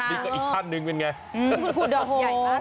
อีกก็อีกท่านหนึ่งเป็นอย่างไร